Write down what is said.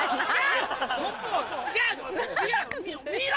見ろ！